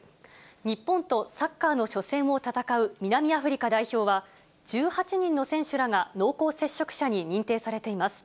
日本とサッカーの初戦を戦う南アフリカ代表は、１８人の選手らが濃厚接触者に認定されています。